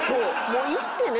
もう行ってね